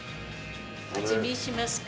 味見しますか？